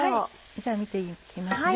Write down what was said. じゃあ見て行きますね。